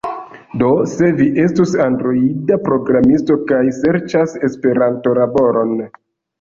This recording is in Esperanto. Do, se vi estus Androida programisto kaj serĉas Esperanto-laboron